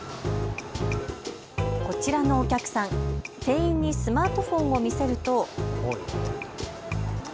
こちらのお客さん、店員にスマートフォンを見せると。